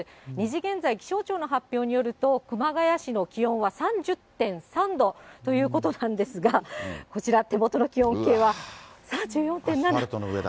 ２時現在、気象庁の発表によると、熊谷市の気温は３０．３度ということなんですが、こちら、手元の気温計は、３４．７。